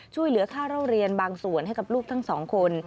ช่วยเหลือค่าเล่าเรียนบางส่วนให้กับลูกทั้งสองคน